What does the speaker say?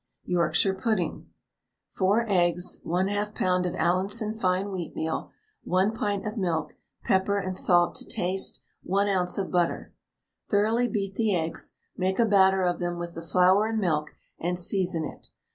YORKSHIRE PUDDING. 4 eggs, 1/2 lb. of Allinson fine wheatmeal, 1 pint of milk, pepper and salt to taste, 1 oz. of butter. Thoroughly beat the eggs, make a batter of them with the flour and milk, and season it.